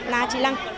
là trị lăng